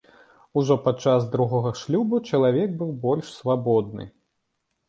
Ужо падчас другога шлюбу чалавек быў больш свабодны.